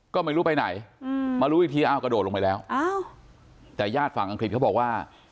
ก็ไม่รู้ไปไหนมารู้อีกทีอ้าวกระโดดลงไปแล้วแต่ญาติฝั่งอังกฤษเขาบอกว่า